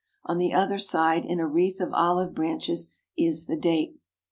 On the other side in a wreath of olive branches is the date.